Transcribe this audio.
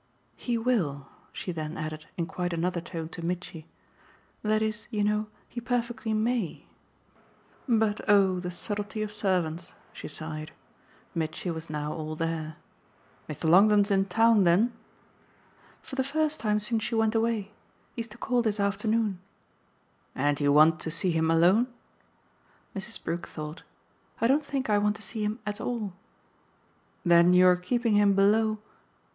"He will!" she then added in quite another tone to Mitchy. "That is, you know, he perfectly MAY. But oh the subtlety of servants!" she sighed. Mitchy was now all there. "Mr. Longdon's in town then?" "For the first time since you went away. He's to call this afternoon." "And you want to see him alone?" Mrs. Brook thought. "I don't think I want to see him at all." "Then your keeping him below